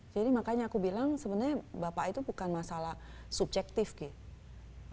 jadi makanya aku bilang sebenarnya bapak itu bukan masalah subjektif gitu